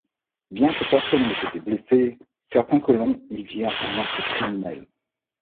Bien que personne n'ait été blessé, certains colons y virent un acte criminel.